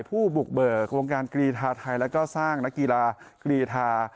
ผู้บุกเบิกวงการกรีธาไทยและก็สร้างนักกีฬากรีธา